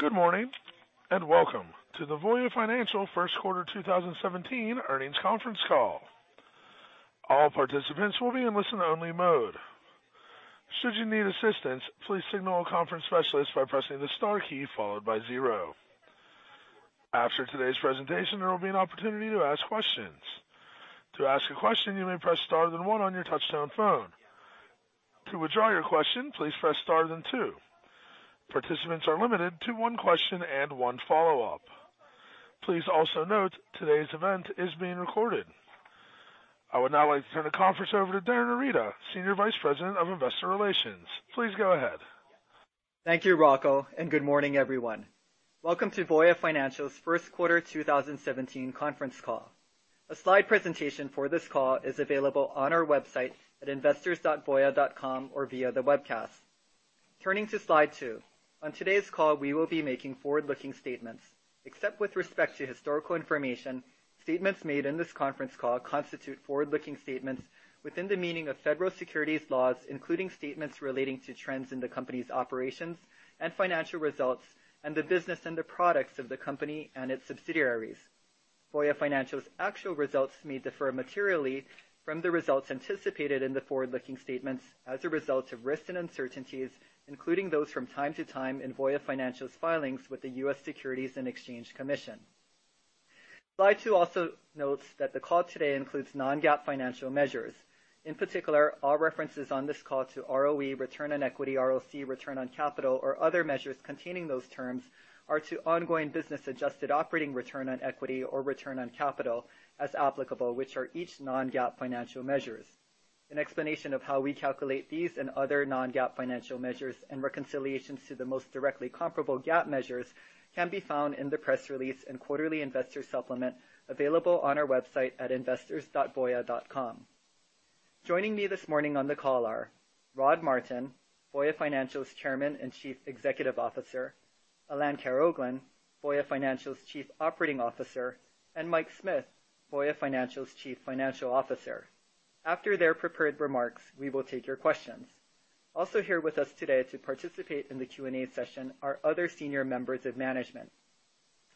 Good morning, and welcome to the Voya Financial first quarter 2017 earnings conference call. All participants will be in listen-only mode. Should you need assistance, please signal a conference specialist by pressing the star key followed by zero. After today's presentation, there will be an opportunity to ask questions. To ask a question, you may press star then one on your touchtone phone. To withdraw your question, please press star then two. Participants are limited to one question and one follow-up. Please also note today's event is being recorded. I would now like to turn the conference over to Darin Arita, Senior Vice President of Investor Relations. Please go ahead. Thank you, Rocco, good morning, everyone. Welcome to Voya Financial's first quarter 2017 conference call. A slide presentation for this call is available on our website at investors.voya.com or via the webcast. Turning to slide two. On today's call, we will be making forward-looking statements. Except with respect to historical information, statements made in this conference call constitute forward-looking statements within the meaning of federal securities laws, including statements relating to trends in the company's operations and financial results and the business and the products of the company and its subsidiaries. Voya Financial's actual results may differ materially from the results anticipated in the forward-looking statements as a result of risks and uncertainties, including those from time to time in Voya Financial's filings with the U.S. Securities and Exchange Commission. Slide two also notes that the call today includes non-GAAP financial measures. In particular, all references on this call to ROE, return on equity, ROC, return on capital, or other measures containing those terms are to ongoing business adjusted operating return on equity or return on capital as applicable, which are each non-GAAP financial measures. An explanation of how we calculate these and other non-GAAP financial measures and reconciliations to the most directly comparable GAAP measures can be found in the press release and quarterly investor supplement available on our website at investors.voya.com. Joining me this morning on the call are Rod Martin, Voya Financial's Chairman and Chief Executive Officer, Alain Karaoglan, Voya Financial's Chief Operating Officer, and Mike Smith, Voya Financial's Chief Financial Officer. After their prepared remarks, we will take your questions. Also here with us today to participate in the Q&A session are other senior members of management,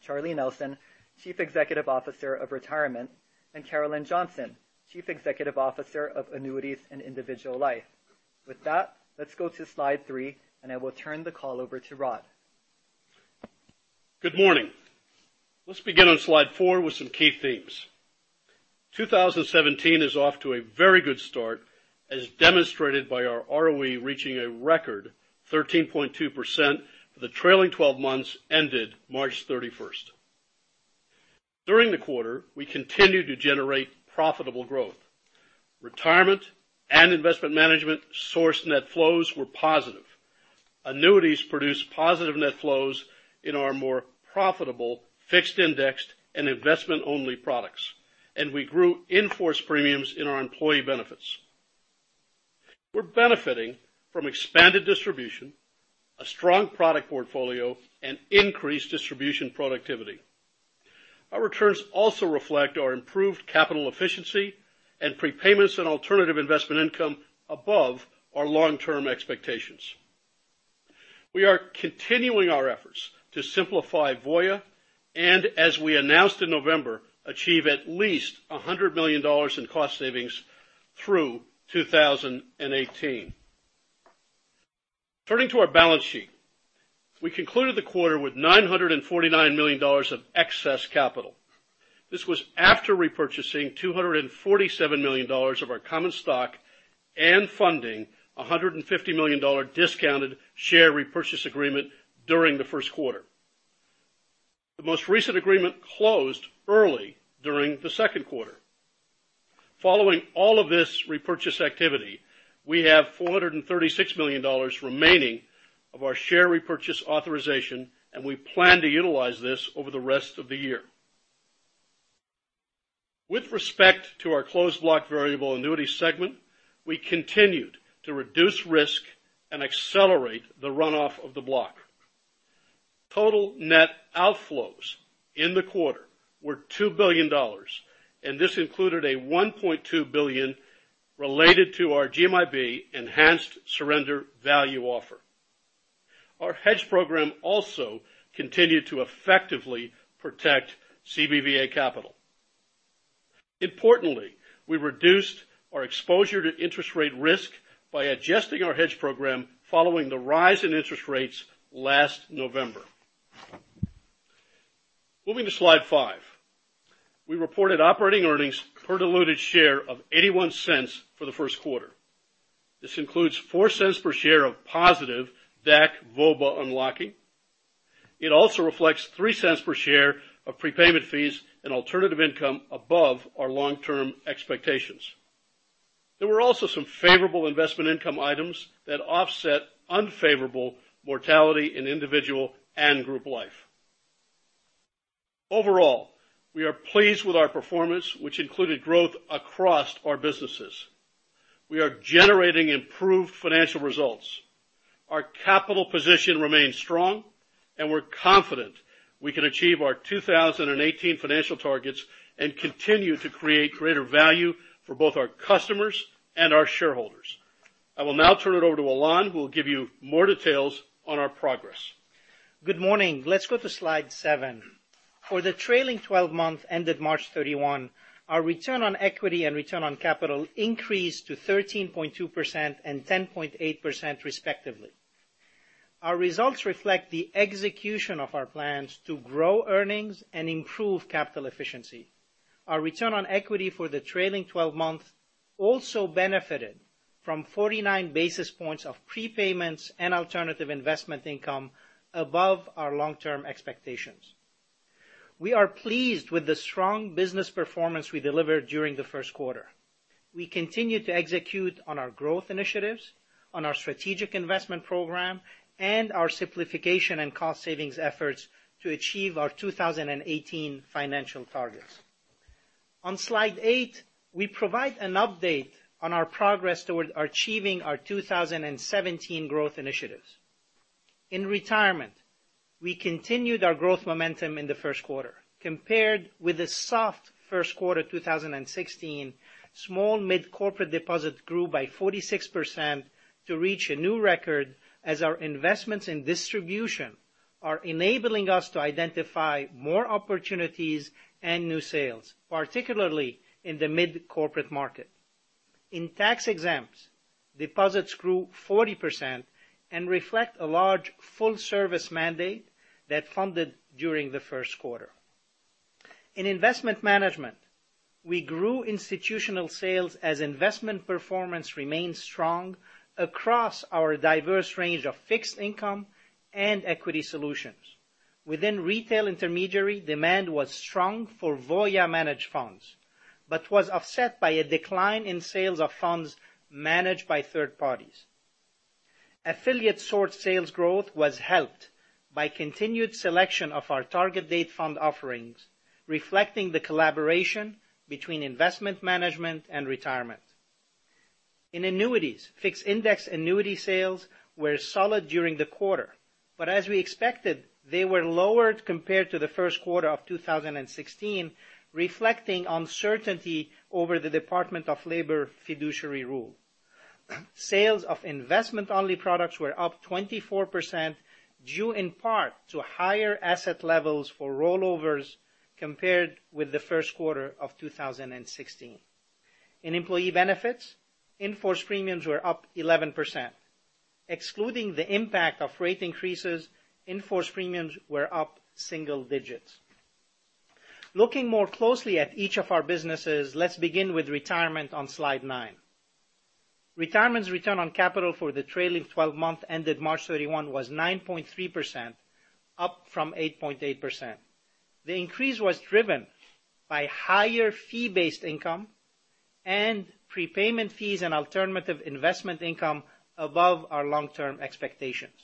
Charlie Nelson, Chief Executive Officer of Retirement, and Carolyn Johnson, Chief Executive Officer of Annuities and Individual Life. With that, let's go to slide three, I will turn the call over to Rod. Good morning. Let's begin on slide four with some key themes. 2017 is off to a very good start, as demonstrated by our ROE reaching a record 13.2% for the trailing 12 months ended March 31st. During the quarter, we continued to generate profitable growth. Retirement and investment management source net flows were positive. Annuities produced positive net flows in our more profitable fixed index and investment-only products, and we grew in-force premiums in our employee benefits. We're benefiting from expanded distribution, a strong product portfolio, and increased distribution productivity. Our returns also reflect our improved capital efficiency and prepayments and alternative investment income above our long-term expectations. We are continuing our efforts to simplify Voya, and as we announced in November, achieve at least $100 million in cost savings through 2018. Turning to our balance sheet. We concluded the quarter with $949 million of excess capital. This was after repurchasing $247 million of our common stock and funding $150 million discounted share repurchase agreement during the first quarter. The most recent agreement closed early during the second quarter. Following all of this repurchase activity, we have $436 million remaining of our share repurchase authorization, and we plan to utilize this over the rest of the year. With respect to our closed block variable annuity segment, we continued to reduce risk and accelerate the runoff of the block. Total net outflows in the quarter were $2 billion, and this included a $1.2 billion related to our GMIB enhanced surrender value offer. Our hedge program also continued to effectively protect CBVA capital. Importantly, we reduced our exposure to interest rate risk by adjusting our hedge program following the rise in interest rates last November. Moving to slide five. We reported operating earnings per diluted share of $0.81 for the first quarter. This includes $0.04 per share of positive DAC/VOBA unlocking. It also reflects $0.03 per share of prepayment fees and alternative income above our long-term expectations. There were also some favorable investment income items that offset unfavorable mortality in individual and group life. Overall, we are pleased with our performance, which included growth across our businesses. We are generating improved financial results. Our capital position remains strong, and we're confident we can achieve our 2018 financial targets and continue to create greater value for both our customers and our shareholders. I will now turn it over to Alain, who will give you more details on our progress. Good morning. Let's go to slide seven. For the trailing 12 months ended March 31st, our return on equity and return on capital increased to 13.2% and 10.8%, respectively. Our results reflect the execution of our plans to grow earnings and improve capital efficiency. Our return on equity for the trailing 12 months also benefited from 49 basis points of prepayments and alternative investment income above our long-term expectations. We are pleased with the strong business performance we delivered during the first quarter. We continue to execute on our growth initiatives, on our strategic investment program, and our simplification and cost savings efforts to achieve our 2018 financial targets. On slide eight, we provide an update on our progress toward achieving our 2017 growth initiatives. In Retirement, we continued our growth momentum in the first quarter compared with the soft first quarter 2016, small/mid corporate deposits grew by 46% to reach a new record as our investments in distribution are enabling us to identify more opportunities and new sales, particularly in the mid-corporate market. In tax-exempt, deposits grew 40% and reflect a large full-service mandate that funded during the first quarter. In Investment Management, we grew institutional sales as investment performance remained strong across our diverse range of fixed income and equity solutions. Within retail intermediary, demand was strong for Voya managed funds but was offset by a decline in sales of funds managed by third parties. Affiliate source sales growth was helped by continued selection of our target date fund offerings, reflecting the collaboration between Investment Management and Retirement. In Annuities, fixed index annuity sales were solid during the quarter, but as we expected, they were lower compared to the first quarter of 2016, reflecting uncertainty over the Department of Labor fiduciary rule. Sales of investment-only products were up 24%, due in part to higher asset levels for rollovers compared with the first quarter of 2016. In Employee Benefits, in-force premiums were up 11%. Excluding the impact of rate increases, in-force premiums were up single digits. Looking more closely at each of our businesses, let's begin with Retirement on slide nine. Retirement's return on capital for the trailing 12-month ended March 31 was 9.3%, up from 8.8%. The increase was driven by higher fee-based income and prepayment fees and alternative investment income above our long-term expectations.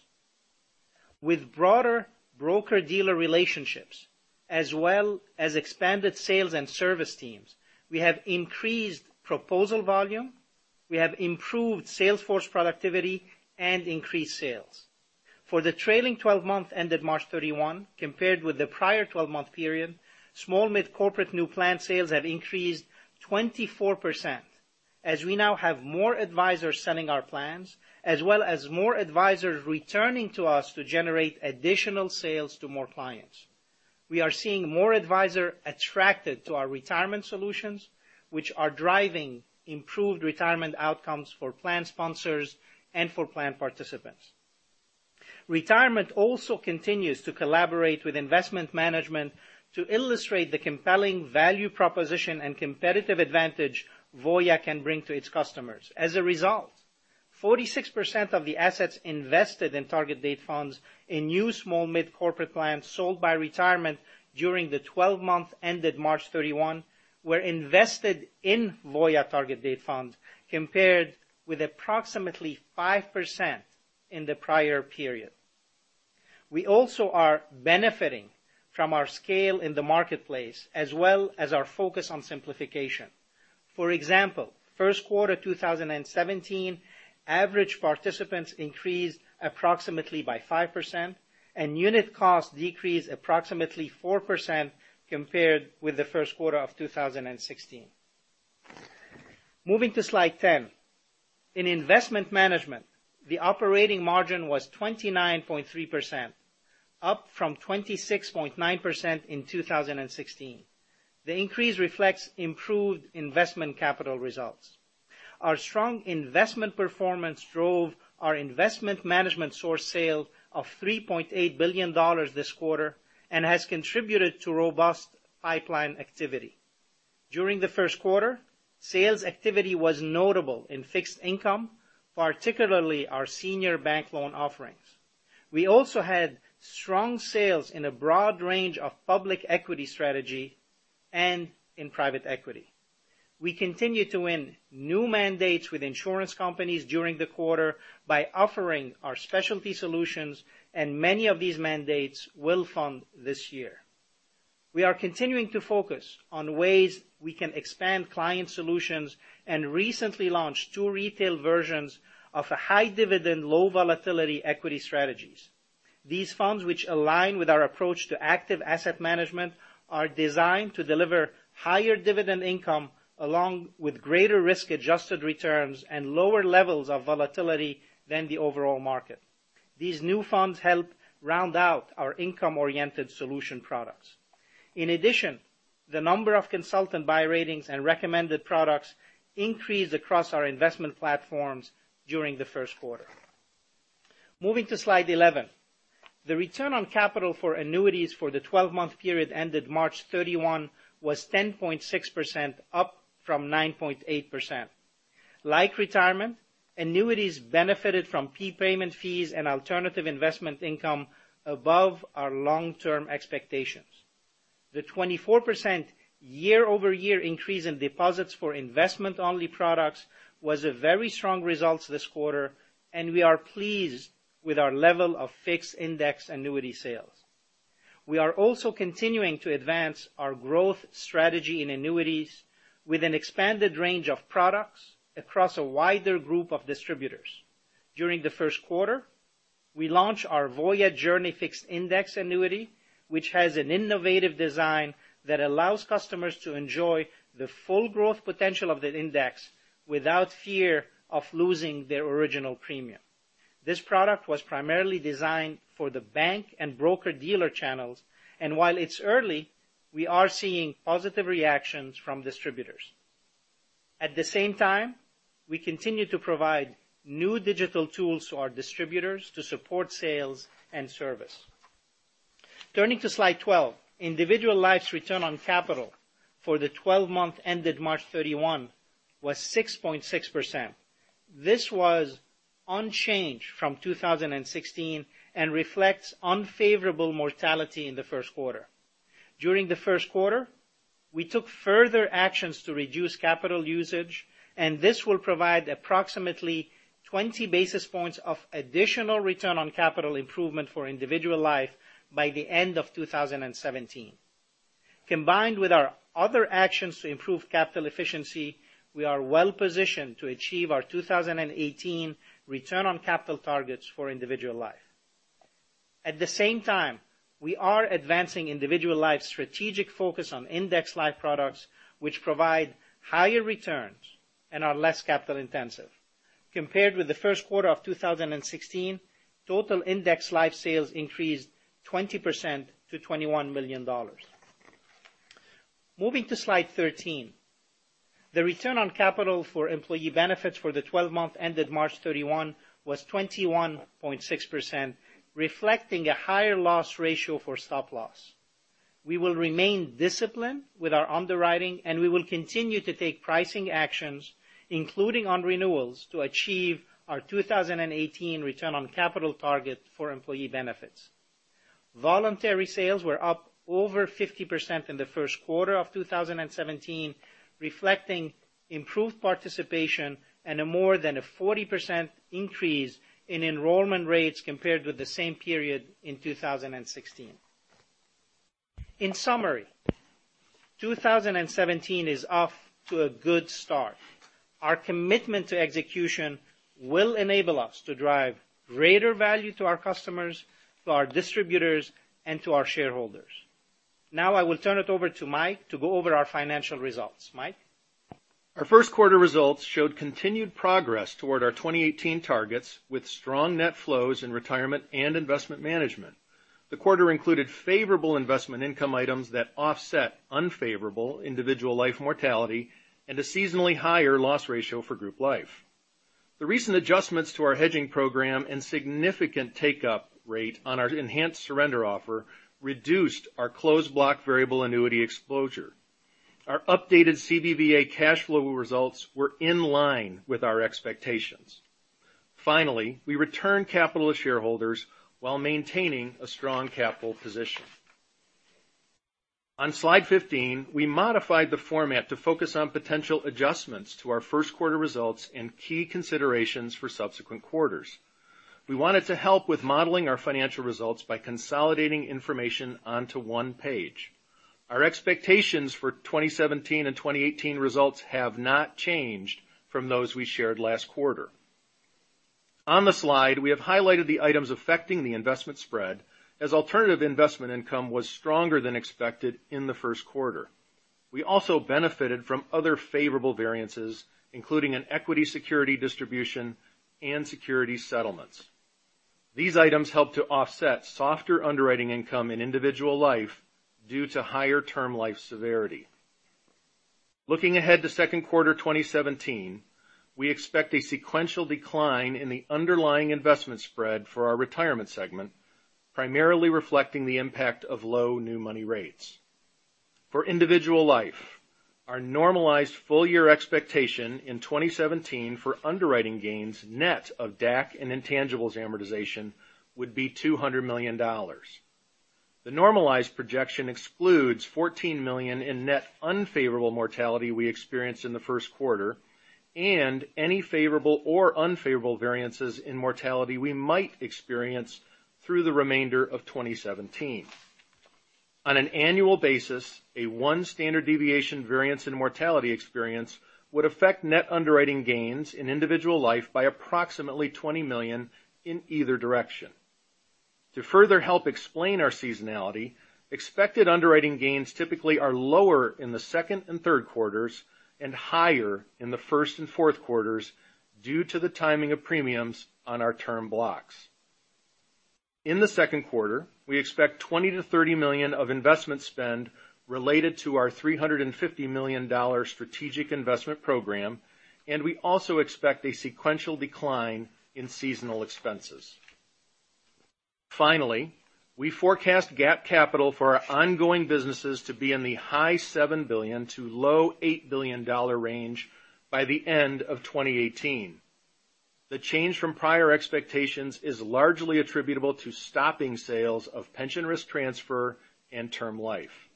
With broader broker-dealer relationships as well as expanded sales and service teams, we have increased proposal volume, we have improved sales force productivity, and increased sales. For the trailing 12-month ended March 31 compared with the prior 12-month period, small/mid corporate new plan sales have increased 24%, as we now have more advisors selling our plans, as well as more advisors returning to us to generate additional sales to more clients. We are seeing more advisor attracted to our retirement solutions, which are driving improved retirement outcomes for plan sponsors and for plan participants. Retirement also continues to collaborate with Investment Management to illustrate the compelling value proposition and competitive advantage Voya can bring to its customers. As a result, 46% of the assets invested in target date funds in new small/mid corporate plans sold by Retirement during the 12-month ended March 31 were invested in Voya target date funds, compared with approximately 5% in the prior period. We also are benefiting from our scale in the marketplace as well as our focus on simplification. For example, first quarter 2017, average participants increased approximately by 5%, and unit cost decreased approximately 4% compared with the first quarter of 2016. Moving to slide 10. In Investment Management, the operating margin was 29.3%, up from 26.9% in 2016. The increase reflects improved investment capital results. Our strong investment performance drove our Investment Management source sale of $3.8 billion this quarter and has contributed to robust pipeline activity. During the first quarter, sales activity was notable in fixed income, particularly our senior bank loan offerings. We also had strong sales in a broad range of public equity strategy and in private equity. We continued to win new mandates with insurance companies during the quarter by offering our specialty solutions, and many of these mandates will fund this year. We are continuing to focus on ways we can expand client solutions and recently launched two retail versions of a high dividend, low volatility equity strategies. These funds, which align with our approach to active asset management, are designed to deliver higher dividend income along with greater risk-adjusted returns and lower levels of volatility than the overall market. These new funds help round out our income-oriented solution products. In addition, the number of consultant buy ratings and recommended products increased across our investment platforms during the first quarter. Moving to slide 11. The return on capital for annuities for the 12-month period ended March 31 was 10.6%, up from 9.8%. Like retirement, annuities benefited from prepayment fees and alternative investment income above our long-term expectations. The 24% year-over-year increase in deposits for investment-only products was a very strong result this quarter, and we are pleased with our level of fixed index annuity sales. We are also continuing to advance our growth strategy in annuities with an expanded range of products across a wider group of distributors. During the first quarter, we launched our Voya Journey Fixed Index Annuity, which has an innovative design that allows customers to enjoy the full growth potential of the index without fear of losing their original premium. This product was primarily designed for the bank and broker-dealer channels, and while it's early, we are seeing positive reactions from distributors. At the same time, we continue to provide new digital tools to our distributors to support sales and service. Turning to slide 12. Individual Life's return on capital for the 12 month ended March 31 was 6.6%. This was unchanged from 2016 and reflects unfavorable mortality in the first quarter. During the first quarter, we took further actions to reduce capital usage, and this will provide approximately 20 basis points of additional return on capital improvement for Individual Life by the end of 2017. Combined with our other actions to improve capital efficiency, we are well positioned to achieve our 2018 return on capital targets for Individual Life. At the same time, we are advancing Individual Life's strategic focus on indexed life products, which provide higher returns and are less capital intensive. Compared with the first quarter of 2016, total indexed life sales increased 20% to $21 million. Moving to slide 13. The return on capital for employee benefits for the 12 month ended March 31 was 21.6%, reflecting a higher loss ratio for stop-loss. We will remain disciplined with our underwriting, and we will continue to take pricing actions, including on renewals, to achieve our 2018 return on capital target for employee benefits. Voluntary sales were up over 50% in the first quarter of 2017, reflecting improved participation and a more than a 40% increase in enrollment rates compared with the same period in 2016. In summary, 2017 is off to a good start. Our commitment to execution will enable us to drive greater value to our customers, to our distributors, and to our shareholders. Now I will turn it over to Mike to go over our financial results. Mike? Our first quarter results showed continued progress toward our 2018 targets with strong net flows in Retirement and Investment Management. The quarter included favorable investment income items that offset unfavorable Individual Life mortality and a seasonally higher loss ratio for Group Life. The recent adjustments to our hedging program and significant take-up rate on our enhanced surrender offer reduced our closed block variable annuity exposure. Our updated CBVA cash flow results were in line with our expectations. Finally, we returned capital to shareholders while maintaining a strong capital position. On slide 15, we modified the format to focus on potential adjustments to our first quarter results and key considerations for subsequent quarters. We wanted to help with modeling our financial results by consolidating information onto one page. Our expectations for 2017 and 2018 results have not changed from those we shared last quarter. On the slide, we have highlighted the items affecting the investment spread, as alternative investment income was stronger than expected in the first quarter. We also benefited from other favorable variances, including an equity security distribution and security settlements. These items helped to offset softer underwriting income in Individual Life due to higher term life severity. Looking ahead to second quarter 2017, we expect a sequential decline in the underlying investment spread for our Retirement segment, primarily reflecting the impact of low new money rates. For Individual Life, our normalized full year expectation in 2017 for underwriting gains net of DAC and intangibles amortization would be $200 million. The normalized projection excludes $14 million in net unfavorable mortality we experienced in the first quarter and any favorable or unfavorable variances in mortality we might experience through the remainder of 2017. On an annual basis, a one standard deviation variance in mortality experience would affect net underwriting gains in individual life by approximately $20 million in either direction. To further help explain our seasonality, expected underwriting gains typically are lower in the second and third quarters and higher in the first and fourth quarters due to the timing of premiums on our term blocks. In the second quarter, we expect $20 million-$30 million of investment spend related to our $350 million strategic investment program, and we also expect a sequential decline in seasonal expenses. Finally, we forecast GAAP capital for our ongoing businesses to be in the high $7 billion to low $8 billion range by the end of 2018. The change from prior expectations is largely attributable to stopping sales of pension risk transfer and term life.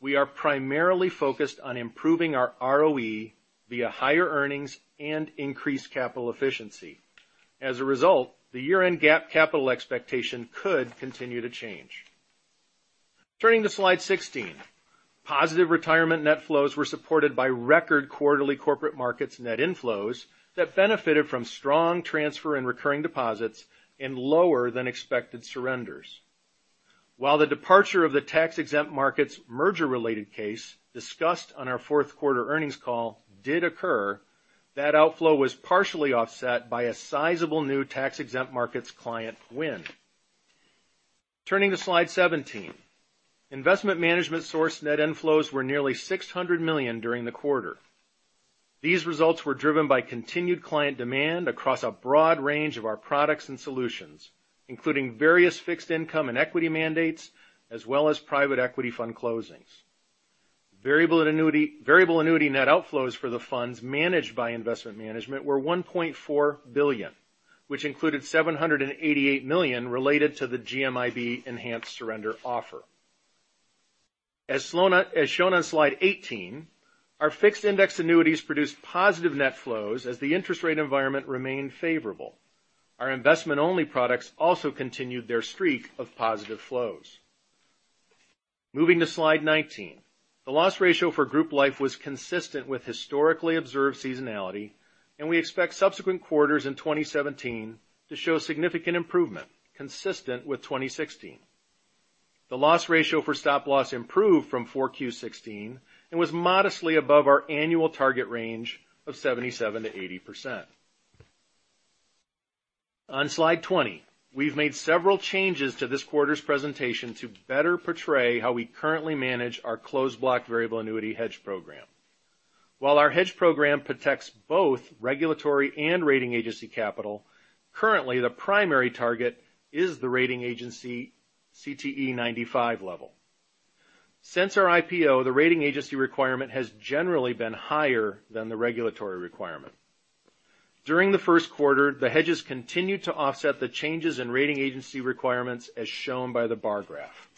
We are primarily focused on improving our ROE via higher earnings and increased capital efficiency. As a result, the year-end GAAP capital expectation could continue to change. Turning to slide 16. Positive retirement net flows were supported by record quarterly corporate markets net inflows that benefited from strong transfer and recurring deposits and lower than expected surrenders. While the departure of the tax-exempt markets merger-related case discussed on our fourth quarter earnings call did occur, that outflow was partially offset by a sizable new tax-exempt markets client win. Turning to slide 17. Investment Management source net inflows were nearly $600 million during the quarter. These results were driven by continued client demand across a broad range of our products and solutions, including various fixed income and equity mandates, as well as private equity fund closings. Variable annuity net outflows for the funds managed by Investment Management were $1.4 billion, which included $788 million related to the GMIB enhanced surrender offer. As shown on slide 18, our fixed index annuities produced positive net flows as the interest rate environment remained favorable. Our investment-only products also continued their streak of positive flows. Moving to slide 19. The loss ratio for group life was consistent with historically observed seasonality, and we expect subsequent quarters in 2017 to show significant improvement consistent with 2016. The loss ratio for stop-loss improved from 4Q16 and was modestly above our annual target range of 77%-80%. On slide 20. We've made several changes to this quarter's presentation to better portray how we currently manage our closed block variable annuity hedge program. While our hedge program protects both regulatory and rating agency capital, currently the primary target is the rating agency CTE 95 level. Since our IPO, the rating agency requirement has generally been higher than the regulatory requirement. During the first quarter, the hedges continued to offset the changes in rating agency requirements as shown by the bar graph.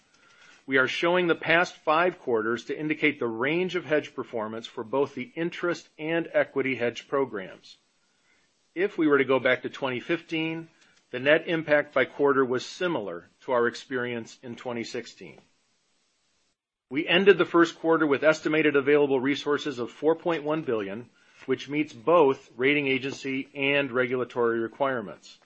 We are showing the past five quarters to indicate the range of hedge performance for both the interest and equity hedge programs. If we were to go back to 2015, the net impact by quarter was similar to our experience in 2016. We ended the first quarter with estimated available resources of $4.1 billion, which meets both rating agency and regulatory requirements.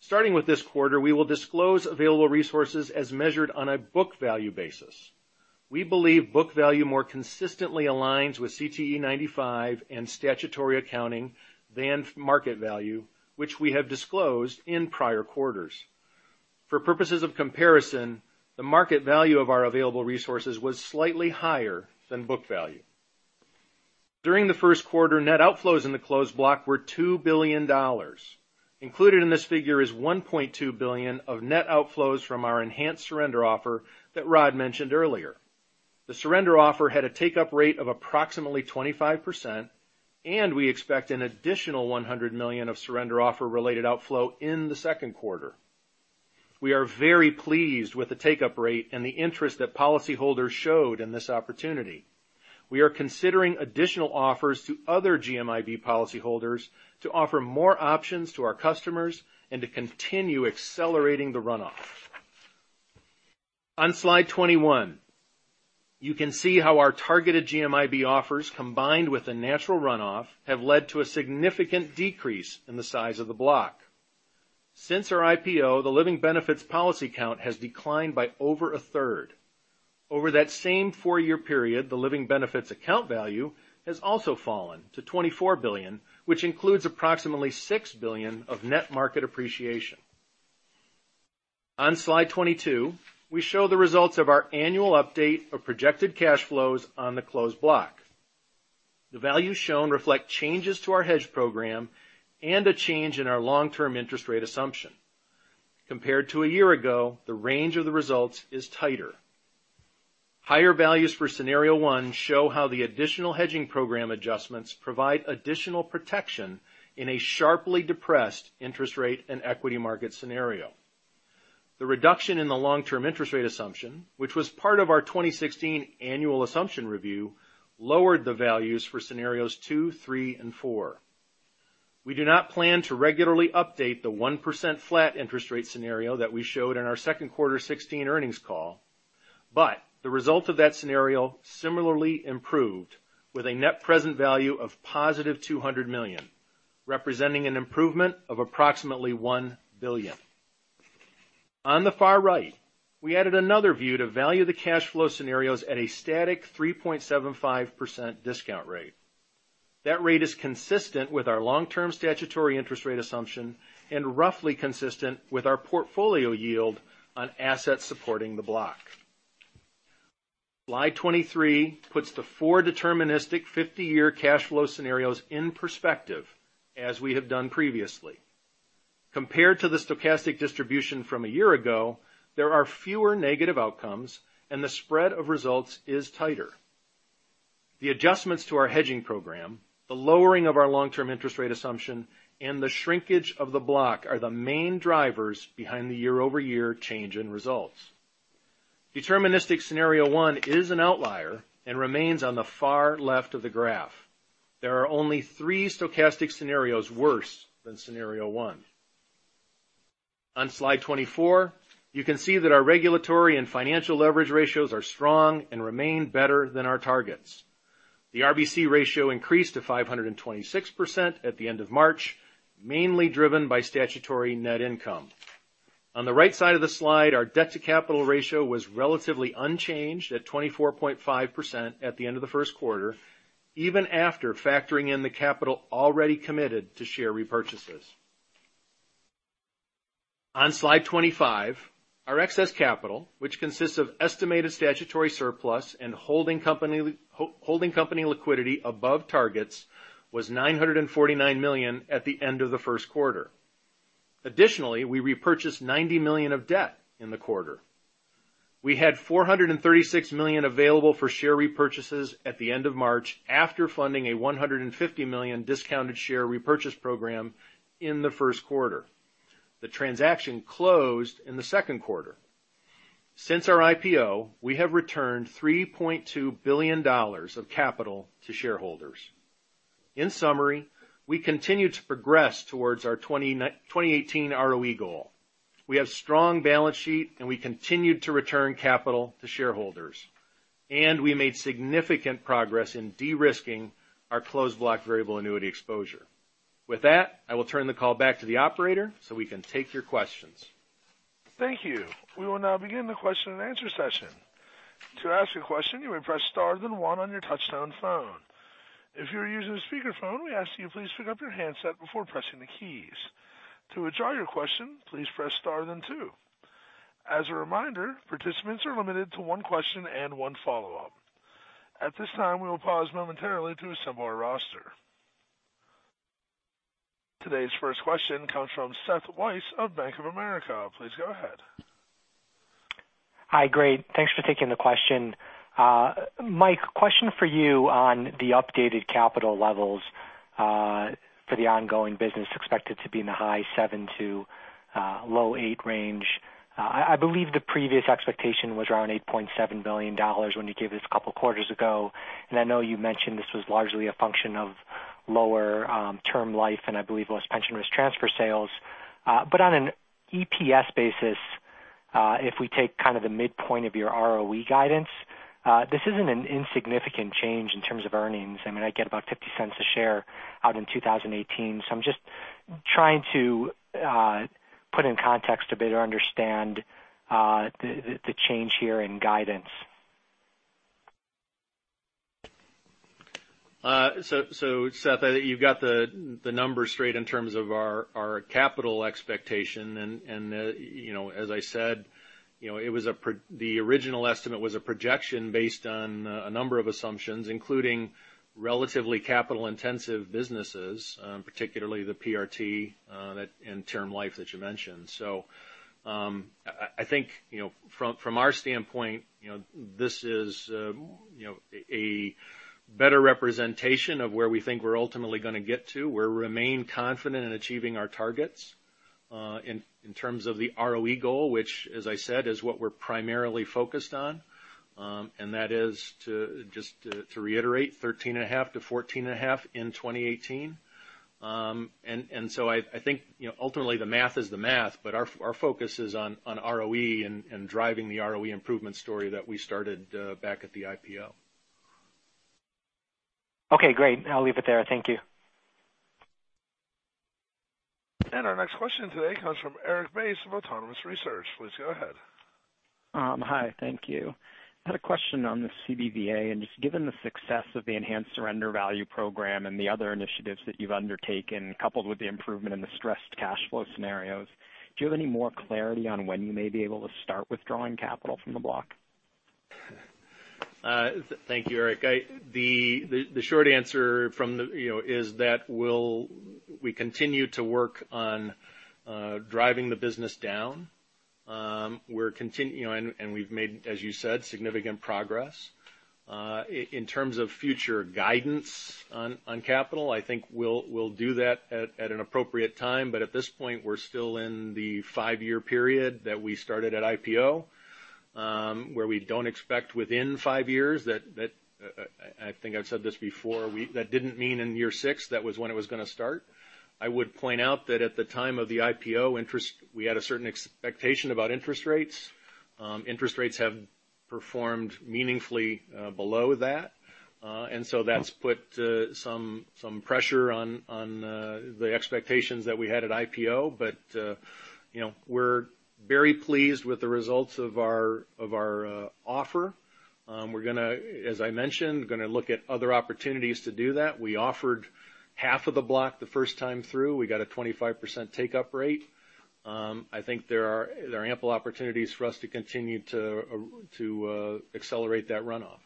Starting with this quarter, we will disclose available resources as measured on a book value basis. We believe book value more consistently aligns with CTE 95 and statutory accounting than market value, which we have disclosed in prior quarters. For purposes of comparison, the market value of our available resources was slightly higher than book value. During the first quarter, net outflows in the closed block were $2 billion. Included in this figure is $1.2 billion of net outflows from our enhanced surrender offer that Rod mentioned earlier. The surrender offer had a take-up rate of approximately 25%, and we expect an additional $100 million of surrender offer related outflow in the second quarter. We are very pleased with the take-up rate and the interest that policyholders showed in this opportunity. We are considering additional offers to other GMIB policyholders to offer more options to our customers and to continue accelerating the runoff. On slide 21, you can see how our targeted GMIB offers, combined with the natural runoff, have led to a significant decrease in the size of the block. Since our IPO, the Living Benefits policy count has declined by over a third. Over that same four-year period, the Living Benefits account value has also fallen to $24 billion, which includes approximately $6 billion of net market appreciation. On slide 22, we show the results of our annual update of projected cash flows on the closed block. The values shown reflect changes to our hedge program and a change in our long-term interest rate assumption. Compared to a year ago, the range of the results is tighter. Higher values for scenario one show how the additional hedging program adjustments provide additional protection in a sharply depressed interest rate and equity market scenario. The reduction in the long-term interest rate assumption, which was part of our 2016 annual assumption review, lowered the values for scenarios 2, 3, and 4. We do not plan to regularly update the 1% flat interest rate scenario that we showed in our second quarter 2016 earnings call. But the result of that scenario similarly improved with a net present value of positive $200 million, representing an improvement of approximately $1 billion. On the far right, we added another view to value the cash flow scenarios at a static 3.75% discount rate. That rate is consistent with our long-term statutory interest rate assumption and roughly consistent with our portfolio yield on assets supporting the block. Slide 23 puts the four deterministic 50-year cash flow scenarios in perspective, as we have done previously. Compared to the stochastic distribution from a year ago, there are fewer negative outcomes, and the spread of results is tighter. The adjustments to our hedging program, the lowering of our long-term interest rate assumption, and the shrinkage of the block are the main drivers behind the year-over-year change in results. Deterministic scenario 1 is an outlier and remains on the far left of the graph. There are only three stochastic scenarios worse than scenario 1. On slide 24, you can see that our regulatory and financial leverage ratios are strong and remain better than our targets. The RBC ratio increased to 526% at the end of March, mainly driven by statutory net income. On the right side of the slide, our debt-to-capital ratio was relatively unchanged at 24.5% at the end of the first quarter, even after factoring in the capital already committed to share repurchases. On slide 25, our excess capital, which consists of estimated statutory surplus and holding company liquidity above targets, was $949 million at the end of the first quarter. Additionally, we repurchased $90 million of debt in the quarter. We had $436 million available for share repurchases at the end of March after funding a $150 million discounted share repurchase program in the first quarter. The transaction closed in the second quarter. Since our IPO, we have returned $3.2 billion of capital to shareholders. In summary, we continue to progress towards our 2018 ROE goal. We have strong balance sheet, and we continued to return capital to shareholders, and we made significant progress in de-risking our closed block variable annuity exposure. With that, I will turn the call back to the operator so we can take your questions. Thank you. We will now begin the question and answer session. To ask a question, you may press star then 1 on your touch-tone phone. If you are using a speakerphone, we ask that you please pick up your handset before pressing the keys. To withdraw your question, please press star then 2. As a reminder, participants are limited to one question and one follow-up. At this time, we will pause momentarily to assemble our roster. Today's first question comes from Seth Weiss of Bank of America. Please go ahead. Hi. Great. Thanks for taking the question. Mike, question for you on the updated capital levels for the ongoing business expected to be in the high seven to low eight range. I believe the previous expectation was around $8.7 billion when you gave this a couple of quarters ago, and I know you mentioned this was largely a function of lower term life, and I believe less pension risk transfer sales. On an EPS basis, if we take the midpoint of your ROE guidance, this isn't an insignificant change in terms of earnings. I get about $0.50 a share out in 2018. I'm just trying to put in context a bit or understand the change here in guidance. Seth, you've got the numbers straight in terms of our capital expectation, as I said, the original estimate was a projection based on a number of assumptions, including relatively capital-intensive businesses, particularly the PRT and term life that you mentioned. I think from our standpoint, this is a better representation of where we think we're ultimately going to get to. We remain confident in achieving our targets in terms of the ROE goal, which, as I said, is what we're primarily focused on, and that is, just to reiterate, 13.5% to 14.5% in 2018. I think ultimately the math is the math, our focus is on ROE and driving the ROE improvement story that we started back at the IPO. Okay, great. I'll leave it there. Thank you. Our next question today comes from Erik Bass of Autonomous Research. Please go ahead. Hi, thank you. I had a question on the CBVA, and just given the success of the enhanced surrender value program and the other initiatives that you've undertaken, coupled with the improvement in the stressed cash flow scenarios, do you have any more clarity on when you may be able to start withdrawing capital from the block? Thank you, Erik. The short answer is that we continue to work on driving the business down. We've made, as you said, significant progress. In terms of future guidance on capital, I think we'll do that at an appropriate time. At this point, we're still in the five-year period that we started at IPO, where we don't expect within five years. I think I've said this before, that didn't mean in year six, that was when it was going to start. I would point out that at the time of the IPO, we had a certain expectation about interest rates. Interest rates have performed meaningfully below that. So that's put some pressure on the expectations that we had at IPO. We're very pleased with the results of our offer. We're, as I mentioned, going to look at other opportunities to do that. We offered half of the block the first time through. We got a 25% take-up rate. I think there are ample opportunities for us to continue to accelerate that runoff.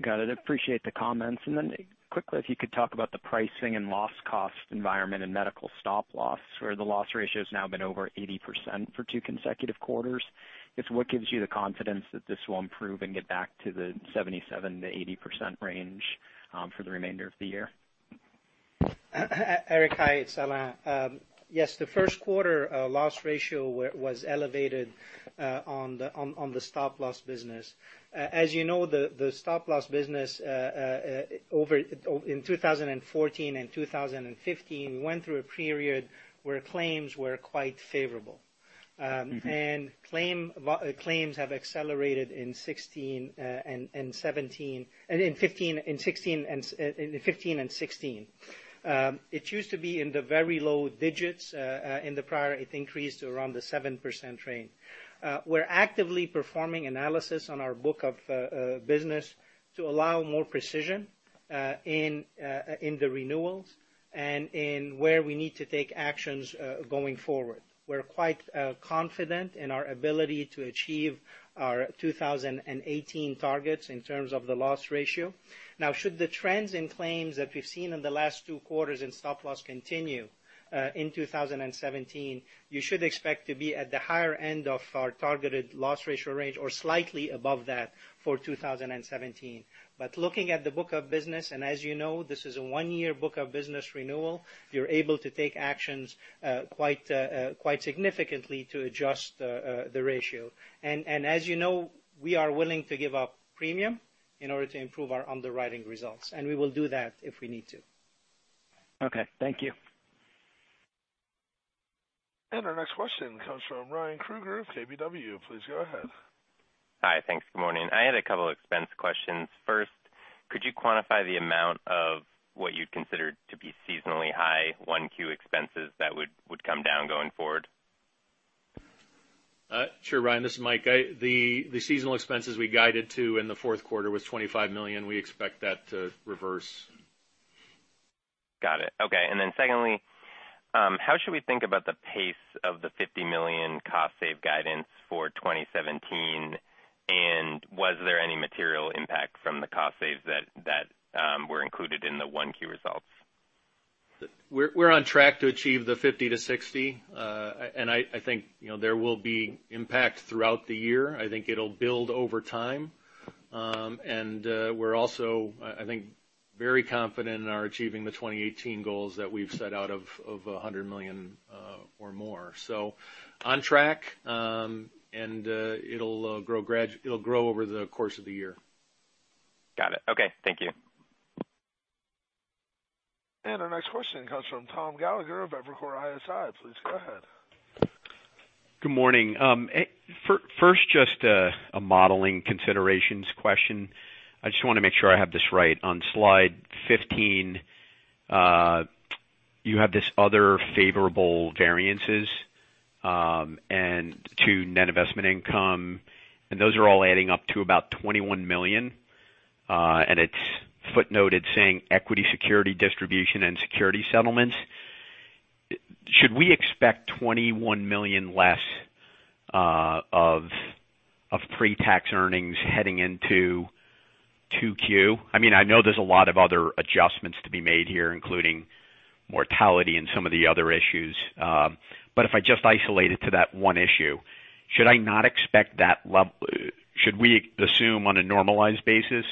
Got it. Appreciate the comments. Then quickly, if you could talk about the pricing and loss cost environment in medical stop-loss, where the loss ratio has now been over 80% for two consecutive quarters. What gives you the confidence that this will improve and get back to the 77%-80% range for the remainder of the year? Erik, hi, it's Alain. Yes, the first quarter loss ratio was elevated on the stop-loss business. As you know, the stop-loss business in 2014 and 2015, went through a period where claims were quite favorable. Claims have accelerated in 2015 and 2016. It used to be in the very low digits in the prior, it increased to around the 7% range. We're actively performing analysis on our book of business to allow more precision in the renewals and in where we need to take actions going forward. We're quite confident in our ability to achieve our 2018 targets in terms of the loss ratio. Should the trends in claims that we've seen in the last two quarters in stop-loss continue in 2017, you should expect to be at the higher end of our targeted loss ratio range or slightly above that for 2017. Looking at the book of business, and as you know, this is a one-year book of business renewal, you're able to take actions quite significantly to adjust the ratio. As you know, we are willing to give up premium in order to improve our underwriting results, and we will do that if we need to. Okay, thank you. Our next question comes from Ryan Krueger of KBW. Please go ahead. Hi. Thanks. Good morning. I had a couple expense questions. First, could you quantify the amount of what you'd consider to be seasonally high one Q expenses that would come down going forward? Sure, Ryan, this is Mike. The seasonal expenses we guided to in the fourth quarter was $25 million. We expect that to reverse. Got it. Okay. Secondly, how should we think about the pace of the $50 million cost save guidance for 2017? Was there any material impact from the cost saves that were included in the one Q results? We're on track to achieve the $50-$60. I think there will be impact throughout the year. I think it'll build over time. We're also, I think, very confident in our achieving the 2018 goals that we've set out of $100 million or more. On track, and it'll grow over the course of the year. Got it. Okay, thank you. Our next question comes from Thomas Gallagher of Evercore ISI. Please go ahead. Good morning. First, just a modeling considerations question. I just want to make sure I have this right. On slide 15, you have this other favorable variances to net investment income, those are all adding up to about $21 million. It's footnoted saying equity security distribution and security settlements. Should we expect $21 million less of pre-tax earnings heading into 2Q? I know there's a lot of other adjustments to be made here, including mortality and some of the other issues. If I just isolate it to that one issue, should we assume on a normalized basis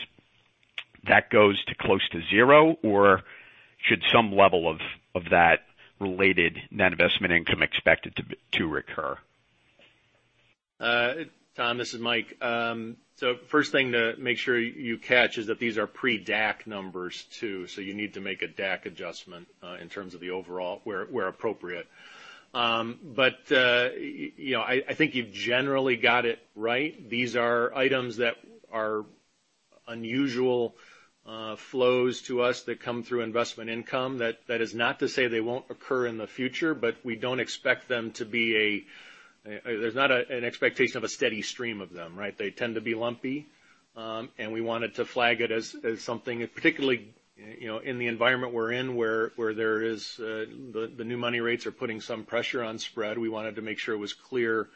that goes to close to zero, or should some level of that related net investment income expected to recur? Thomas, this is Michael. First thing to make sure you catch is that these are pre-DAC numbers too, you need to make a DAC adjustment in terms of the overall, where appropriate. I think you've generally got it right. These are items that are unusual flows to us that come through investment income. That is not to say they won't occur in the future, there's not an expectation of a steady stream of them, right? They tend to be lumpy. We wanted to flag it as something, particularly in the environment we're in, where the new money rates are putting some pressure on spread. We wanted to make sure it was clear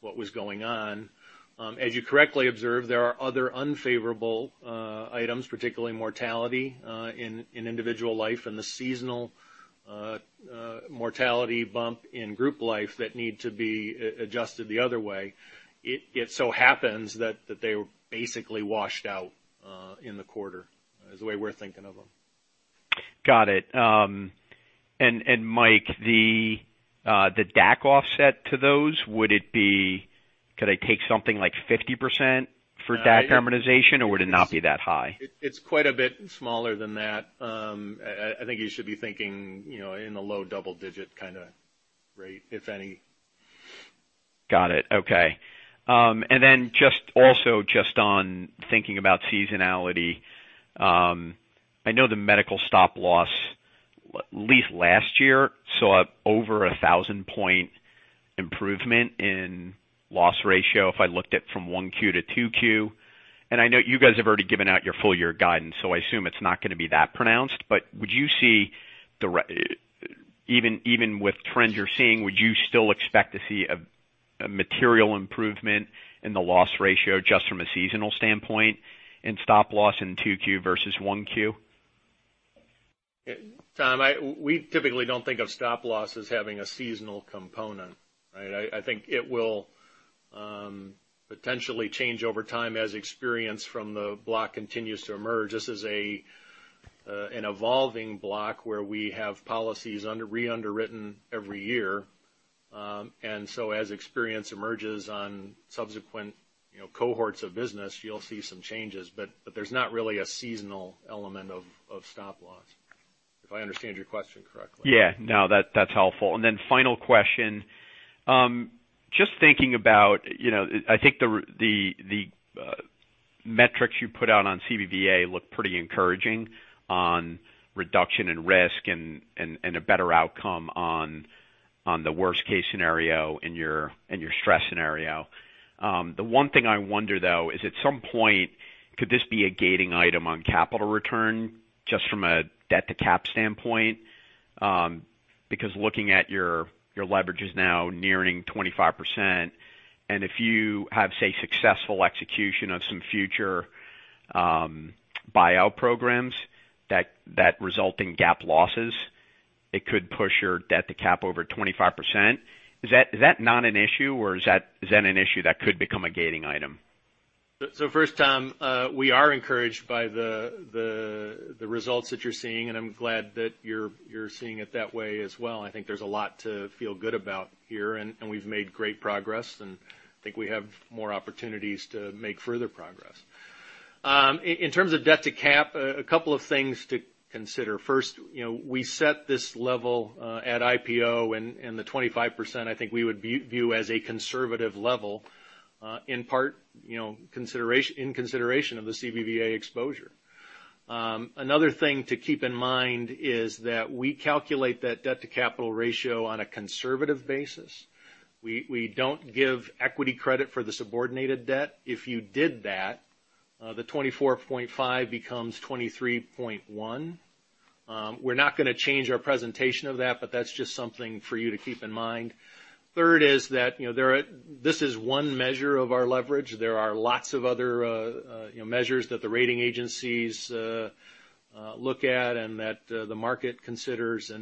what was going on. As you correctly observed, there are other unfavorable items, particularly mortality in individual life and the seasonal mortality bump in group life that need to be adjusted the other way. It so happens that they were basically washed out in the quarter, is the way we're thinking of them. Got it. Michael, the DAC offset to those, could I take something like 50%? For debt harmonization or would it not be that high? It's quite a bit smaller than that. I think you should be thinking in the low double-digit kind of rate, if any. Got it. Okay. Just on thinking about seasonality, I know the medical stop-loss, at least last year, saw over 1,000-point improvement in loss ratio if I looked at from 1Q to 2Q. I know you guys have already given out your full year guidance, so I assume it's not going to be that pronounced. Even with trends you're seeing, would you still expect to see a material improvement in the loss ratio just from a seasonal standpoint in stop-loss in 2Q versus 1Q? Tom, we typically don't think of stop-loss as having a seasonal component, right? I think it will potentially change over time as experience from the block continues to emerge. This is an evolving block where we have policies re-underwritten every year. As experience emerges on subsequent cohorts of business, you'll see some changes. There's not really a seasonal element of stop-loss, if I understand your question correctly. Yeah. No, that's helpful. Final question. Just thinking about, I think the metrics you put out on CBVA look pretty encouraging on reduction in risk and a better outcome on the worst case scenario in your stress scenario. The one thing I wonder, though, is at some point, could this be a gating item on capital return just from a debt to cap standpoint? Because looking at your leverage is now nearing 25%, if you have, say, successful execution of some future buyout programs that result in GAAP losses, it could push your debt to cap over 25%. Is that not an issue, or is that an issue that could become a gating item? First, Tom, we are encouraged by the results that you're seeing, and I'm glad that you're seeing it that way as well. I think there's a lot to feel good about here, and we've made great progress, and I think we have more opportunities to make further progress. In terms of debt to cap, a couple of things to consider. First, we set this level at IPO and the 25%, I think we would view as a conservative level in consideration of the CBVA exposure. Another thing to keep in mind is that we calculate that debt-to-capital ratio on a conservative basis. We don't give equity credit for the subordinated debt. If you did that, the 24.5 becomes 23.1. We're not going to change our presentation of that, but that's just something for you to keep in mind. Third is that this is one measure of our leverage. There are lots of other measures that the rating agencies look at and that the market considers.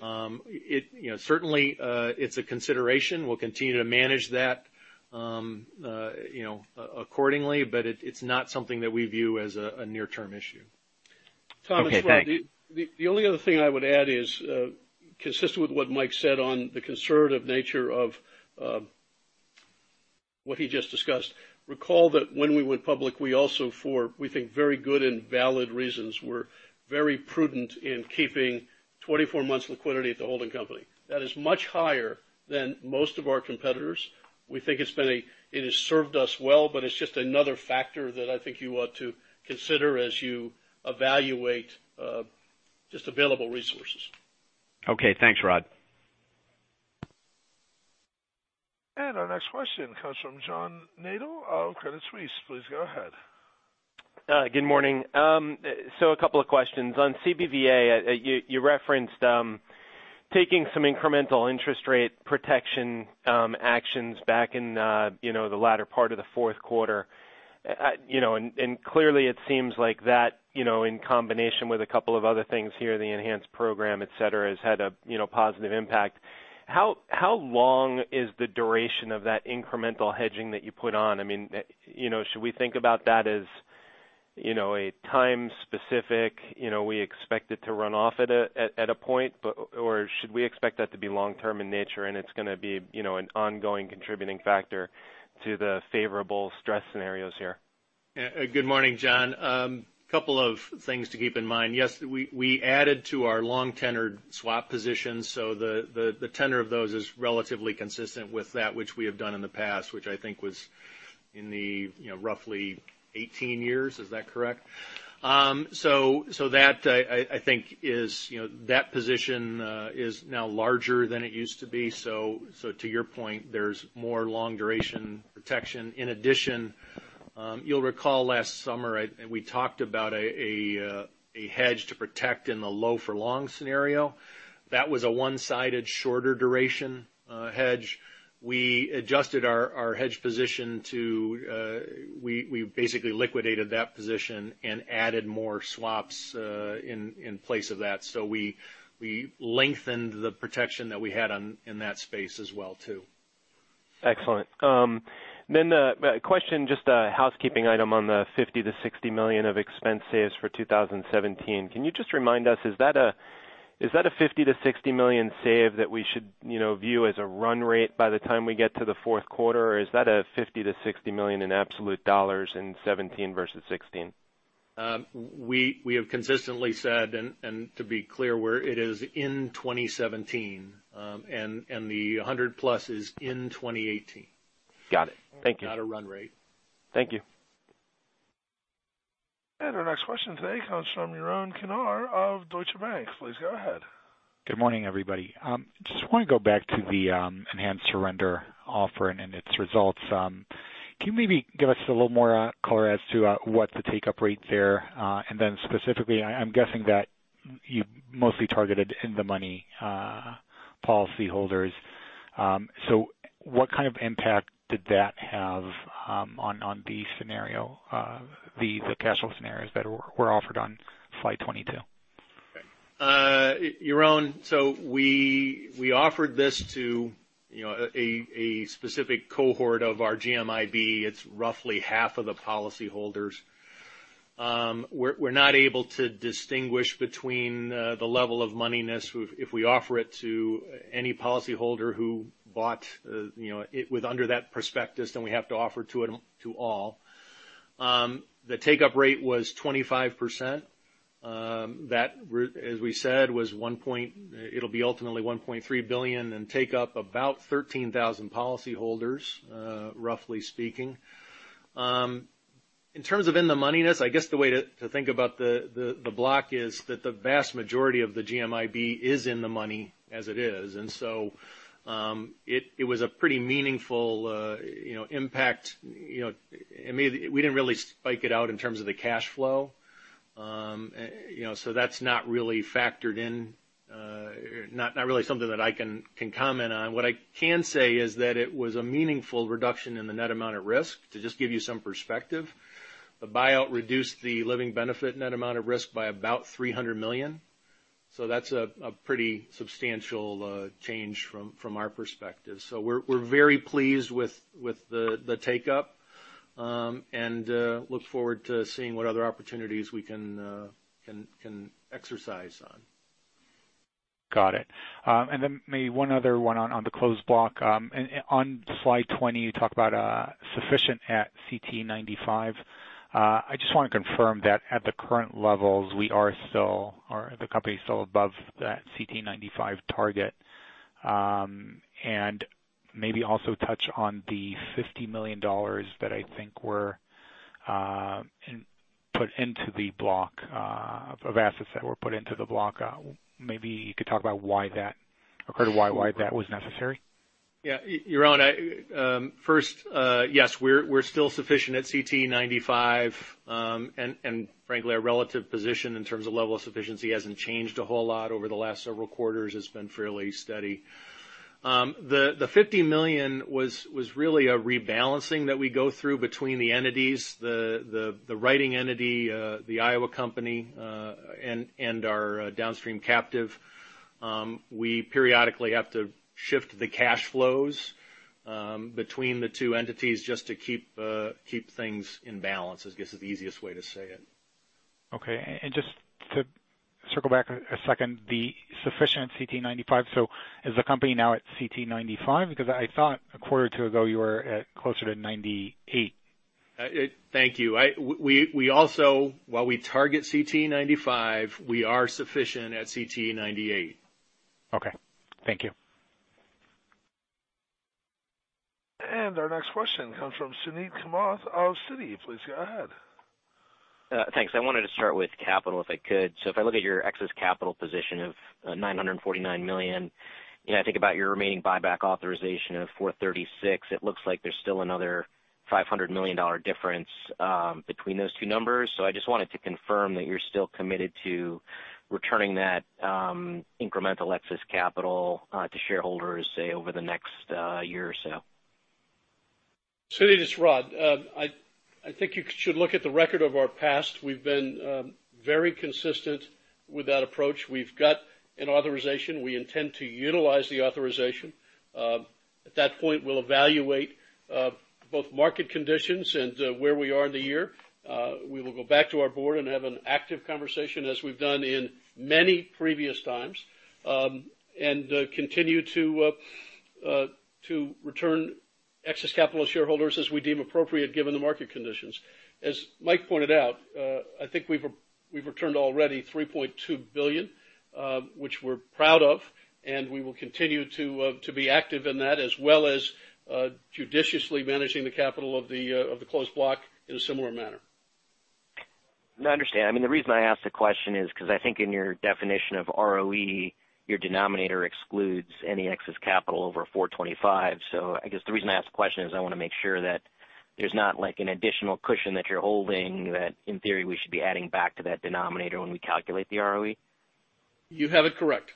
Certainly, it's a consideration. We'll continue to manage that accordingly. It's not something that we view as a near-term issue. Okay, thanks. Thomas, the only other thing I would add is consistent with what Mike said on the conservative nature of what he just discussed. Recall that when we went public, we also for, we think very good and valid reasons, were very prudent in keeping 24 months liquidity at the holding company. That is much higher than most of our competitors. We think it has served us well, it's just another factor that I think you ought to consider as you evaluate just available resources. Okay. Thanks, Rod. Our next question comes from John Nadel of Credit Suisse. Please go ahead. Good morning. A couple of questions. On CBVA, you referenced taking some incremental interest rate protection actions back in the latter part of the fourth quarter. Clearly it seems like that in combination with a couple of other things here, the enhanced program, et cetera, has had a positive impact. How long is the duration of that incremental hedging that you put on? Should we think about that as a time specific, we expect it to run off at a point, or should we expect that to be long-term in nature and it's going to be an ongoing contributing factor to the favorable stress scenarios here? Good morning, John. A couple of things to keep in mind. Yes, we added to our long-tenored swap positions, the tenor of those is relatively consistent with that which we have done in the past, which I think was in the roughly 18 years. Is that correct? That position is now larger than it used to be. To your point, there's more long duration protection. In addition, you'll recall last summer, we talked about a hedge to protect in the low for long scenario. That was a one-sided shorter duration hedge. We adjusted our hedge position to basically liquidate that position and added more swaps in place of that. We lengthened the protection that we had in that space as well, too. Excellent. A question, just a housekeeping item on the $50 million-$60 million of expense saves for 2017. Can you just remind us, is that a $50 million-$60 million save that we should view as a run rate by the time we get to the fourth quarter? Or is that a $50 million-$60 million in absolute dollars in 2017 versus 2016? We have consistently said, and to be clear, where it is in 2017, and the 100-plus is in 2018. Got it. Thank you. Not a run rate. Thank you. Our next question today comes from Yaron Kinar of Deutsche Bank. Please go ahead. Good morning, everybody. Just want to go back to the enhanced surrender offer and its results. Can you maybe give us a little more color as to what the take-up rate there, and then specifically, I'm guessing that you mostly targeted in the money policyholders. What kind of impact did that have on the scenario, the cash flow scenarios that were offered on slide 22? Okay. Yaron, we offered this to a specific cohort of our GMIB. It's roughly half of the policyholders. We're not able to distinguish between the level of moneyness if we offer it to any policyholder who bought it with under that prospectus, then we have to offer to all. The take-up rate was 25%. That, as we said, it'll be ultimately $1.3 billion and take up about 13,000 policyholders, roughly speaking. In terms of in the moneyness, I guess the way to think about the block is that the vast majority of the GMIB is in the money as it is. It was a pretty meaningful impact. We didn't really spike it out in terms of the cash flow. That's not really factored in, not really something that I can comment on. What I can say is that it was a meaningful reduction in the net amount at risk. To just give you some perspective, the buyout reduced the living benefit net amount of risk by about $300 million. That's a pretty substantial change from our perspective. We're very pleased with the take-up, and look forward to seeing what other opportunities we can exercise on. Got it. Maybe one other one on the closed block. On slide 20, you talk about sufficient at CTE 95. I just want to confirm that at the current levels, the company is still above that CTE 95 target. Maybe also touch on the $50 million that I think were put into the block of assets that were put into the block. Maybe you could talk about why that was necessary. Yaron, first, yes, we are still sufficient at CTE 95. Frankly, our relative position in terms of level of sufficiency has not changed a whole lot over the last several quarters. It has been fairly steady. The $50 million was really a rebalancing that we go through between the entities, the writing entity, the Iowa Company, and our downstream captive. We periodically have to shift the cash flows between the two entities just to keep things in balance, I guess, is the easiest way to say it. Okay. Just to circle back a second, the sufficient CTE 95. Is the company now at CTE 95? Because I thought a quarter or two ago, you were at closer to 98. Thank you. While we target CTE 95, we are sufficient at CTE 98. Okay. Thank you. Our next question comes from Suneet Kamath of Citi. Please go ahead. Thanks. I wanted to start with capital if I could. If I look at your excess capital position of $949 million, I think about your remaining buyback authorization of $436, it looks like there's still another $500 million difference between those two numbers. I just wanted to confirm that you're still committed to returning that incremental excess capital to shareholders, say, over the next year or so. Suneet, it's Rod. I think you should look at the record of our past. We've been very consistent with that approach. We've got an authorization. We intend to utilize the authorization. At that point, we'll evaluate both market conditions and where we are in the year. We will go back to our board and have an active conversation as we've done in many previous times, and continue to return excess capital to shareholders as we deem appropriate given the market conditions. As Mike pointed out, I think we've returned already $3.2 billion, which we're proud of, and we will continue to be active in that, as well as judiciously managing the capital of the closed block in a similar manner. No, I understand. The reason I ask the question is because I think in your definition of ROE, your denominator excludes any excess capital over 425. I guess the reason I ask the question is I want to make sure that there's not an additional cushion that you're holding that, in theory, we should be adding back to that denominator when we calculate the ROE. You have it correct.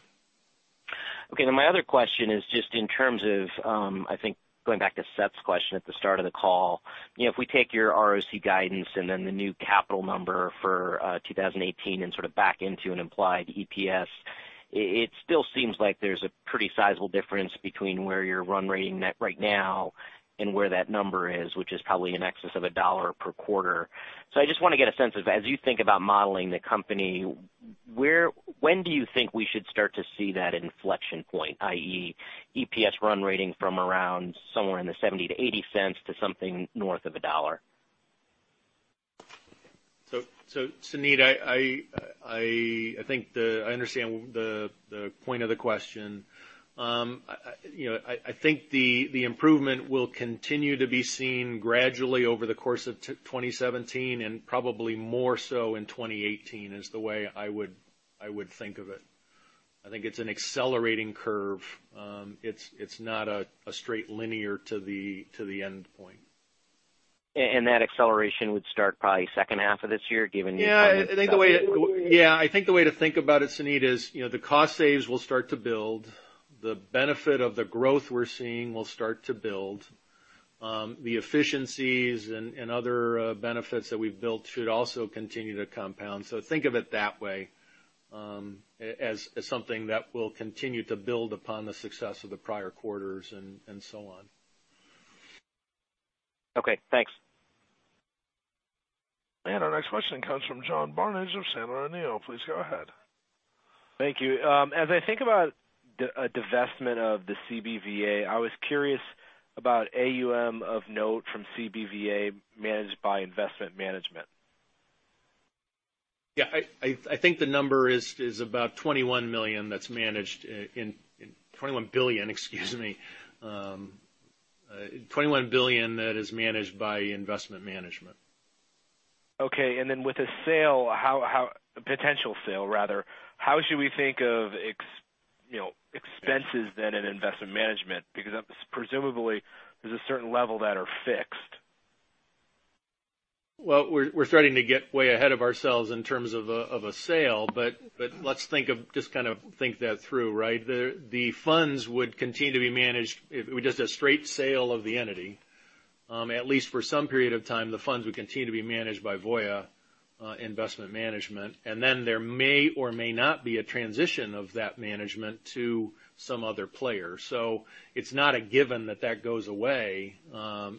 Okay. My other question is just in terms of, I think going back to Seth Weiss's question at the start of the call. If we take your ROC guidance and the new capital number for 2018 and sort of back into an implied EPS, it still seems like there's a pretty sizable difference between where you're run rating right now and where that number is, which is probably in excess of $1 per quarter. I just want to get a sense of, as you think about modeling the company, when do you think we should start to see that inflection point, i.e., EPS run rating from around somewhere in the $0.70-$0.80 to something north of $1? Suneet Kamath, I understand the point of the question. I think the improvement will continue to be seen gradually over the course of 2017 and probably more so in 2018, is the way I would think of it. I think it's an accelerating curve. It's not a straight linear to the end point. That acceleration would start probably second half of this year. Yeah. I think the way to think about it, Suneet, is the cost saves will start to build, the benefit of the growth we're seeing will start to build, the efficiencies and other benefits that we've built should also continue to compound. Think of it that way, as something that will continue to build upon the success of the prior quarters and so on. Okay, thanks. Our next question comes from John Barnidge of Sandler O'Neill. Please go ahead. Thank you. As I think about a divestment of the CBVA, I was curious about AUM of note from CBVA managed by investment management. Yeah. I think the number is about $21 million that's managed in $21 billion, excuse me. $21 billion that is managed by investment management. Okay. Then with a potential sale rather, how should we think of expenses then in investment management? Because presumably, there's a certain level that are fixed. Well, we're starting to get way ahead of ourselves in terms of a sale, let's just kind of think that through, right? The funds would continue to be managed, if it were just a straight sale of the entity. At least for some period of time, the funds would continue to be managed by Voya Investment Management, and then there may or may not be a transition of that management to some other player. It's not a given that that goes away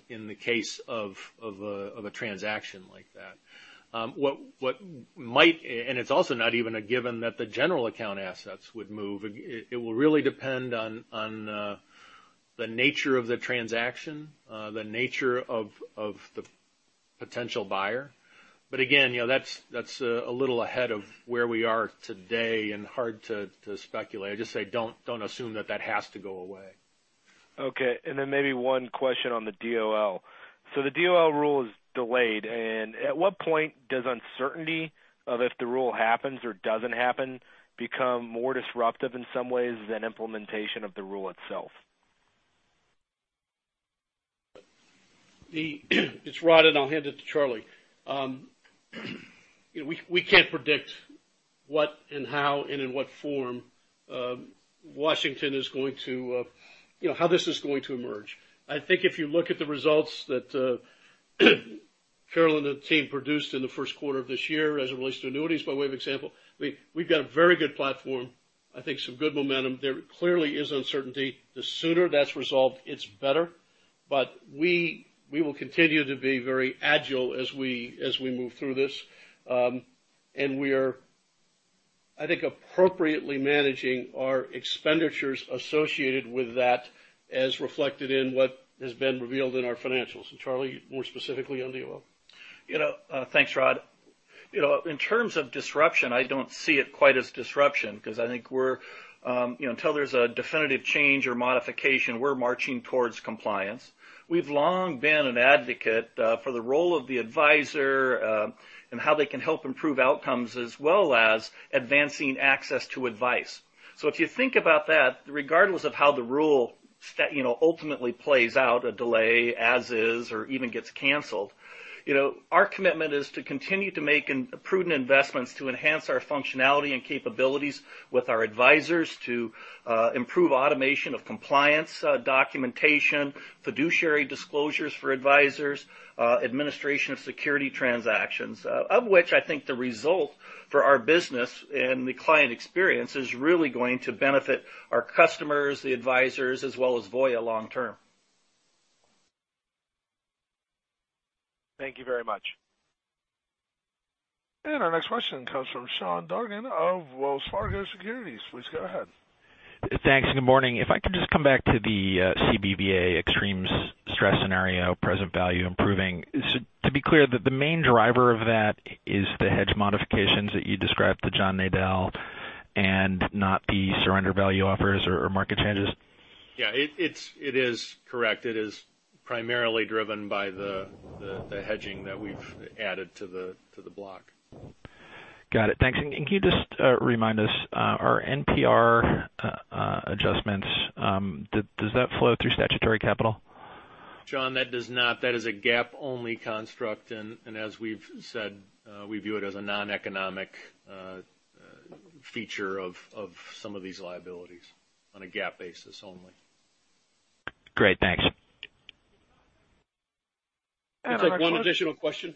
in the case of a transaction like that. What might and it's also not even a given that the general account assets would move. It will really depend on the nature of the transaction, the nature of the potential buyer. Again, that's a little ahead of where we are today and hard to speculate. I just say, don't assume that that has to go away. Okay. Then maybe one question on the DOL. The DOL rule is delayed, at what point does uncertainty of if the rule happens or doesn't happen become more disruptive in some ways than implementation of the rule itself? It's Rod. I'll hand it to Charlie. We can't predict what and how and in what form Washington is going to how this is going to emerge. I think if you look at the results that Carolyn and the team produced in the first quarter of this year as it relates to annuities, by way of example, we've got a very good platform. I think some good momentum. There clearly is uncertainty. The sooner that's resolved, it's better. We will continue to be very agile as we move through this. We are, I think, appropriately managing our expenditures associated with that as reflected in what has been revealed in our financials. Charlie, more specifically on DOL. Thanks, Rod. In terms of disruption, I don't see it quite as disruption because I think we're, until there's a definitive change or modification, we're marching towards compliance. We've long been an advocate for the role of the advisor and how they can help improve outcomes, as well as advancing access to advice. If you think about that, regardless of how the rule ultimately plays out, a delay as is or even gets canceled, our commitment is to continue to make prudent investments to enhance our functionality and capabilities with our advisors to improve automation of compliance, documentation, fiduciary disclosures for advisors, administration of security transactions. Of which I think the result for our business and the client experience is really going to benefit our customers, the advisors, as well as Voya long term. Thank you very much. Our next question comes from Sean Egan of Wells Fargo Securities. Please go ahead. Thanks, and good morning. If I could just come back to the CBVA extremes stress scenario, present value improving. To be clear, the main driver of that is the hedge modifications that you described to John Nadel and not the surrender value offers or market changes? Yeah. It is correct. It is primarily driven by the hedging that we've added to the block. Got it. Thanks. Can you just remind us, our NPR adjustments, does that flow through statutory capital? John, that does not. That is a GAAP-only construct. As we've said, we view it as a noneconomic feature of some of these liabilities on a GAAP basis only. Great. Thanks. I'll take one additional question.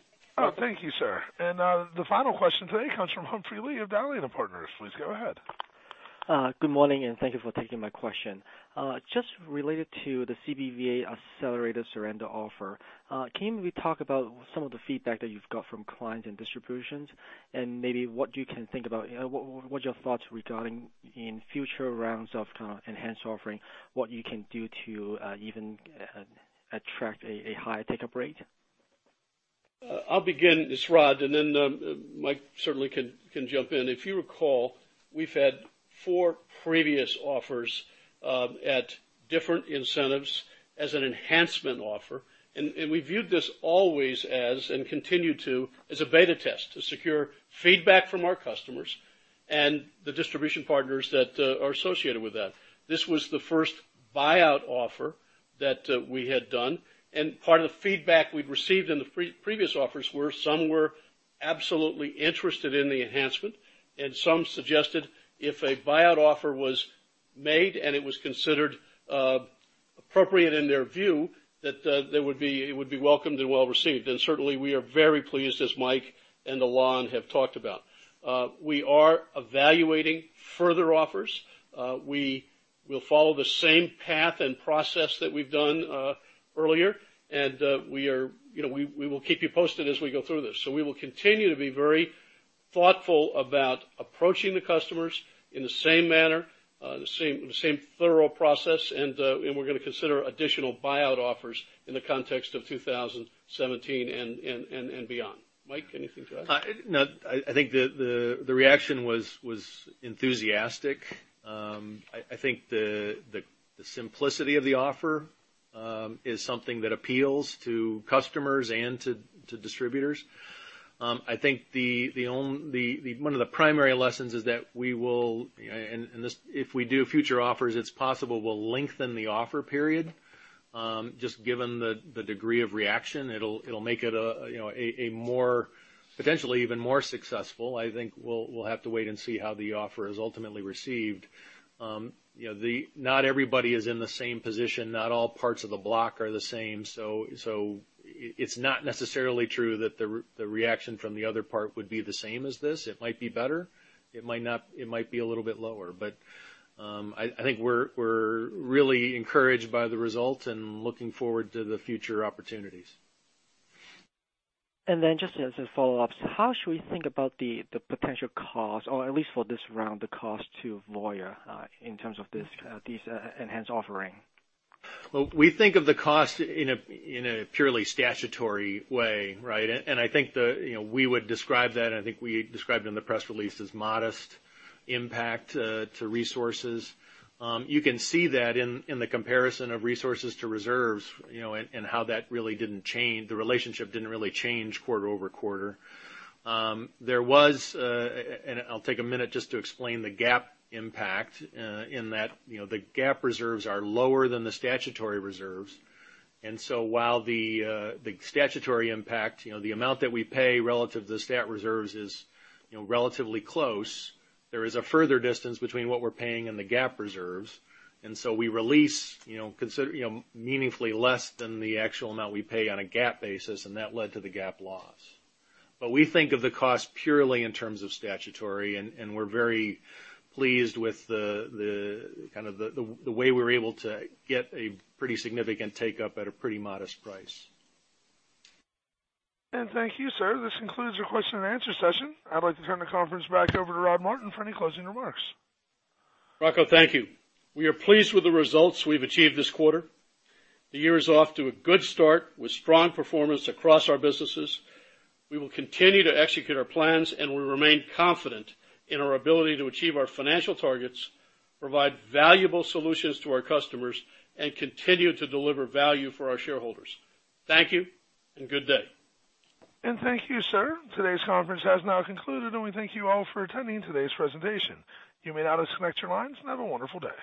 Thank you, sir. The final question today comes from Humphrey Lee of Dowling & Partners. Please go ahead. Good morning, thank you for taking my question. Just related to the CBVA accelerated surrender offer, can we talk about some of the feedback that you've got from clients and distributions, and maybe what you can think about, what's your thoughts regarding in future rounds of enhanced offering, what you can do to even attract a higher take-up rate? I'll begin. It's Rod, then Mike certainly can jump in. If you recall, we've had four previous offers at different incentives as an enhancement offer, we viewed this always as, and continue to, as a beta test to secure feedback from our customers and the distribution partners that are associated with that. This was the first buyout offer that we had done, part of the feedback we'd received in the previous offers were some were absolutely interested in the enhancement, some suggested if a buyout offer was made and it was considered appropriate in their view, that it would be welcomed and well-received. Certainly, we are very pleased, as Mike and Alain have talked about. We are evaluating further offers. We will follow the same path and process that we've done earlier. We will keep you posted as we go through this. We will continue to be very thoughtful about approaching the customers in the same manner, the same thorough process, we're going to consider additional buyout offers in the context of 2017 and beyond. Mike, anything to add? No. I think the reaction was enthusiastic. I think the simplicity of the offer is something that appeals to customers and to distributors. I think one of the primary lessons is that we will, and if we do future offers, it's possible we'll lengthen the offer period, just given the degree of reaction. It'll make it potentially even more successful. I think we'll have to wait and see how the offer is ultimately received. Not everybody is in the same position. Not all parts of the block are the same. It's not necessarily true that the reaction from the other part would be the same as this. It might be better. It might be a little bit lower. I think we're really encouraged by the results and looking forward to the future opportunities. Just as a follow-up, how should we think about the potential cost, or at least for this round, the cost to Voya in terms of this enhanced offering? Well, we think of the cost in a purely statutory way, right? I think we would describe that, and I think we described in the press release as modest impact to resources. You can see that in the comparison of resources to reserves, and how that really didn't change. The relationship didn't really change quarter-over-quarter. I'll take a minute just to explain the GAAP impact in that the GAAP reserves are lower than the statutory reserves. While the statutory impact, the amount that we pay relative to the stat reserves is relatively close, there is a further distance between what we're paying and the GAAP reserves. We release meaningfully less than the actual amount we pay on a GAAP basis, and that led to the GAAP loss. We think of the cost purely in terms of statutory, and we're very pleased with the way we were able to get a pretty significant take-up at a pretty modest price. Thank you, sir. This concludes the question and answer session. I'd like to turn the conference back over to Rod Martin for any closing remarks. Rocco, thank you. We are pleased with the results we've achieved this quarter. The year is off to a good start with strong performance across our businesses. We will continue to execute our plans, and we remain confident in our ability to achieve our financial targets, provide valuable solutions to our customers, and continue to deliver value for our shareholders. Thank you, and good day. Thank you, sir. Today's conference has now concluded, and we thank you all for attending today's presentation. You may now disconnect your lines, and have a wonderful day.